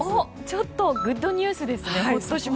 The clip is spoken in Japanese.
ちょっとグッドニュースですね。